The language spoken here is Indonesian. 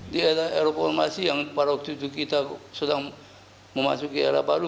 di era eropasi yang pada waktu itu kita sedang memasuki era baru